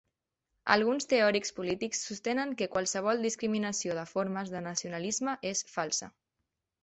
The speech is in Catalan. Alguns teòrics polítics sostenen que qualsevol discriminació de formes de nacionalisme és falsa.